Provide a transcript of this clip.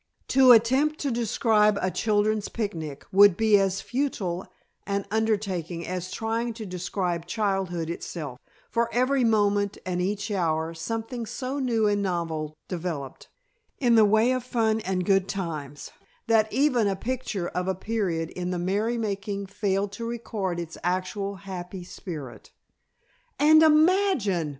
To attempt to describe a children's picnic would be as futile an undertaking as trying to describe childhood itself, for every moment and each hour something so new and novel developed, in the way of fun and good times, that even a picture of a period in the merry making failed to record its actual happy spirit. "And imagine!"